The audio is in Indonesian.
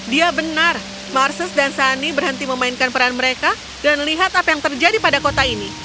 dia benar marces dan sani berhenti memainkan peran mereka dan lihat apa yang terjadi pada kota ini